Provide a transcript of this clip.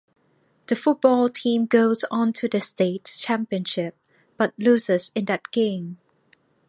The football team goes on to the state championship, but loses in that game.